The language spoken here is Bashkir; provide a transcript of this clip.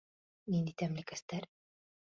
Ниндәй тәмлекәстәр?